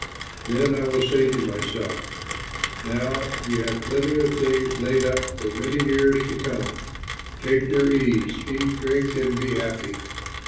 Then I will say to myself, Now you have plenty of things laid up for many years to come; take your ease, eat, drink and be happy.'